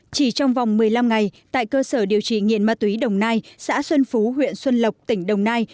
chỉ trong vòng một mươi năm ngày tại cơ sở điều trị nghiện ma túy đồng nai xã xuân phú huyện xuân lộc tỉnh đồng nai